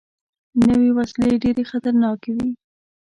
نوې وسلې ډېرې خطرناکې وي